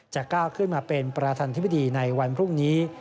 ก้าวขึ้นมาเป็นประธานธิบดีในวันพรุ่งนี้